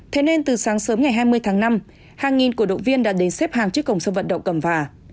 thế nên từ sáng sớm ngày hai mươi tháng năm hàng nghìn cổ động viên đã đến xếp hàng trước cổng sân vận động cầm phả